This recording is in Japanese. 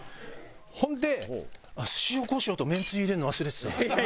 ほんで塩コショウと麺つゆ入れるの忘れてた。